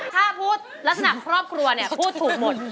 ถ้าพูดลักษณะครอบครัวเนี่ยพูดถูกหมด